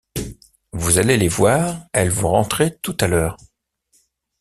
Vous allez les voir, elles vont rentrer tout à l’heure.